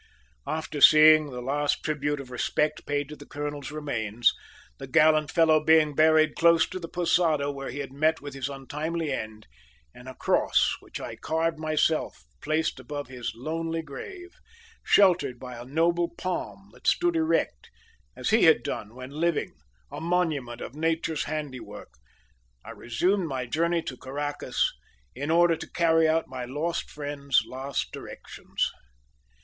After seeing the last tribute of respect paid to the colonel's remains, the gallant fellow being buried close to the posada where he had met with his untimely end, and a cross which I carved myself placed above his lonely grave, sheltered by a noble palm that stood erect, as he had done when living, a monument of nature's handiwork, I resumed my journey to Caracas, in order to carry out my lost friend's last directions.